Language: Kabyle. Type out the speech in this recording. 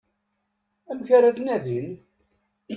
Amek ara t-nadin?